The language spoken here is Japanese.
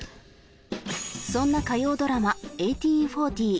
そんな火曜ドラマ「１８／４０」